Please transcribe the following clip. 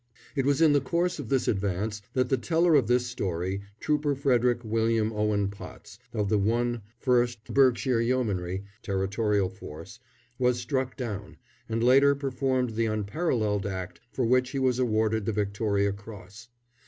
It was in the course of this advance that the teller of this story, Trooper Frederick William Owen Potts, of the 1/1st Berkshire Yeomanry (Territorial Force), was struck down, and later performed the unparalleled act for which he was awarded the Victoria Cross.